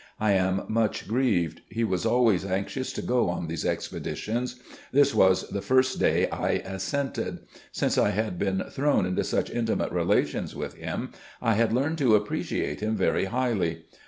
I am much grieved. He was always anxious to go on these expe ditions. This was the tot day I assented. Since I had been thrown into such intimate relations with him, I had learned to appreciate him very highly.